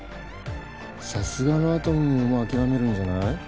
さすがのアトムももう諦めるんじゃない？